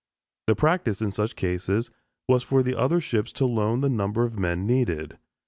The practice in such cases was for the other ships to loan the number of men needed.